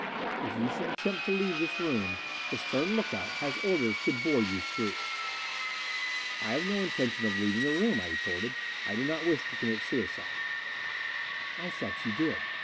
"If you should attempt to leave this room, the stern look out has orders to bore you through." "I have no intention of leaving the room," I retorted. "I do not want to commit suicide." "I thought you did.